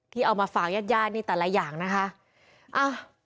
เอามาฝากญาติญาตินี่แต่ละอย่างนะคะ